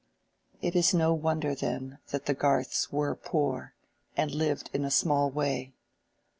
It is no wonder, then, that the Garths were poor, and "lived in a small way."